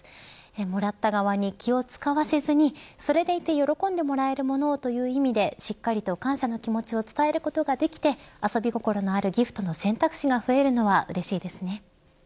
もらった側に気を使わせずにそれでいて喜んでもらえるものという意味でしっかりと感謝の気持ちを伝えることができて遊び心のあるギフトの選択肢が増えるのはうれしいですね。